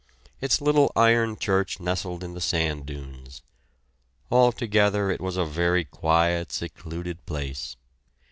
Its little iron church nestled in the sand dunes. Altogether it was a very quiet, secluded place.